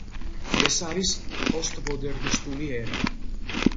ეს არის პოსტმოდერნისტული ერა.